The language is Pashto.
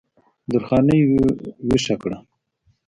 درخانۍ ویښه کړه